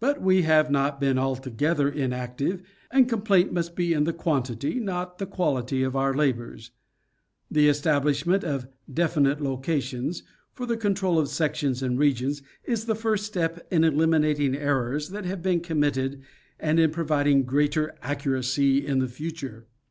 But we have not been altogether inactive and complaint must be in the quantity, not the quality of our labors. The establish ment of "definite locations," for the control of sections and regions, is the first step in eliminating errors that have been com mitted and in providing greater accuracy in the future.